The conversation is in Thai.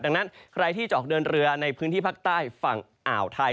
ดังนั้นใครที่จะออกเดินเรือในพื้นที่ภาคใต้ฝั่งอ่าวไทย